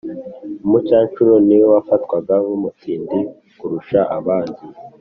umucanshuro niwe wafatwaga nk' umutindi kurusha abandi